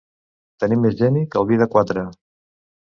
Tenir més geni que el vi de quatre.